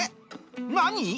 何？